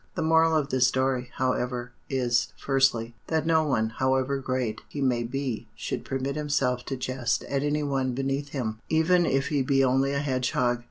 The moral of this story, however, is, firstly, that no one, however great he may be, should permit himself to jest at any one beneath him, even if he be only a hedgehog.